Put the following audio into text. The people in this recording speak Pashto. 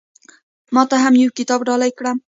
ما ته هم يو کتاب ډالۍ کړه